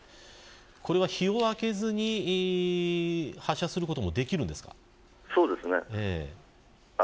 これは日を空けずに発射することもそうですね。